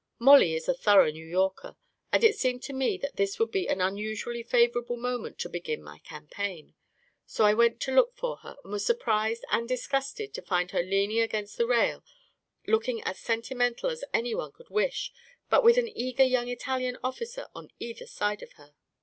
Mollie is a thorough New Yorker, and it seemed to me that this would be an unusually favorable moment to begin my campaign; so I went to look for her, and was surprised and disgusted to find her leaning against the rail, looking as sentimental as anyone could wish, but with an eager yojmg Italian officer on either side of her.